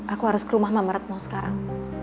aku harus ke rumah mama retno sekarang